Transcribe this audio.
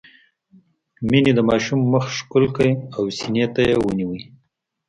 مينې د ماشوم مخ ښکل کړ او سينې ته يې ونيوه.